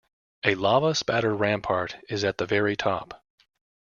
A lava spatter rampart is at the very top.